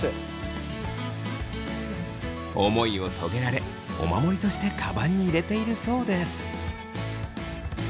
思いを遂げられお守りとしてカバンに入れているそうです。